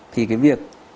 thì cái việc